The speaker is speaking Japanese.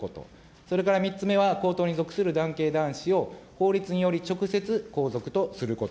それから３つ目は、皇統に属する男系男子を法律により直接皇族とすること。